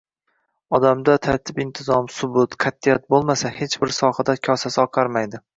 Odamda tartib-intizom, subut, qat’iyat bo‘lmasa, hech bir sohada kosasi oqarmaydi.